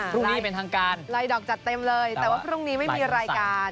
พรุ่งนี้เป็นทางการลายดอกจัดเต็มเลยแต่ว่าพรุ่งนี้ไม่มีรายการ